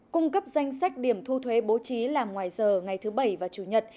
cung cấp danh sách điểm thu thuế bố trí làm ngoài giờ ngày thứ bảy và chủ nhật